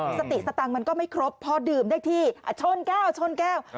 สติสตังค์มันก็ไม่ครบพอดื่มได้ที่ชนแก้วชนแก้ว